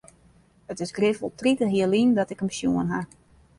It is grif wol tritich jier lyn dat ik him sjoen ha.